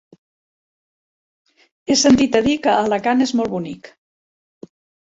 He sentit a dir que Alacant és molt bonic.